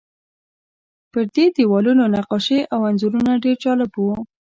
پر دې دیوالونو نقاشۍ او انځورونه ډېر جالب وو.